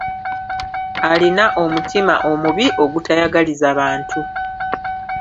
Alina omutima omubi ogutayagaliza bantu.